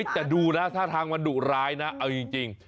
แต่ดูนะท่าทางมันดุร้ายนะเอาจริง